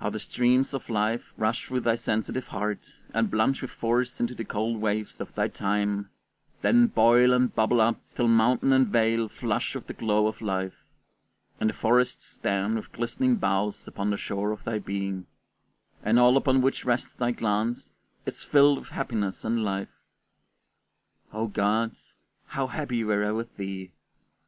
How the streams of life rush through thy sensitive heart, and plunge with force into the cold waves of thy time, then boil and bubble up till mountain and vale flush with the glow of life, and the forests stand with glistening boughs upon the shore of thy being, and all upon which rests thy glance is filled with happiness and life! O God, how happy were I with thee!